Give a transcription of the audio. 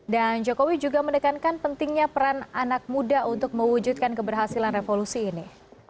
dan jokowi juga mendekankan pentingnya peran anak muda untuk mewujudkan keberhasilan revolusi ini